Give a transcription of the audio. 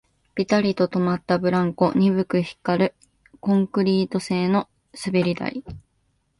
ピタリと止まったブランコ、鈍く光るコンクリート製の滑り台